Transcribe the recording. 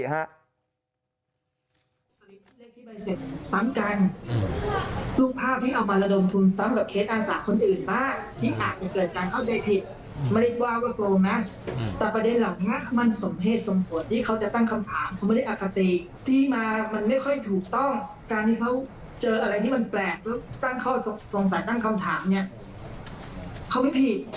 เจออะไรที่มันแปลกสงสัยตั้งคำถามเขาไม่ผิด